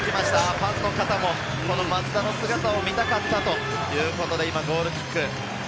ファンの方も松田の姿を見たかったということで、今、ゴールキック。